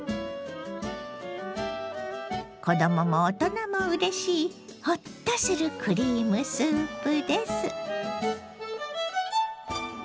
子どもも大人もうれしいホッとするクリームスープです。